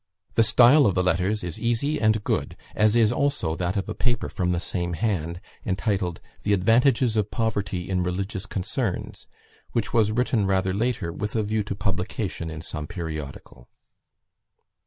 The style of the letters is easy and good; as is also that of a paper from the same hand, entitled "The Advantages of Poverty in Religious Concerns," which was written rather later, with a view to publication in some periodical.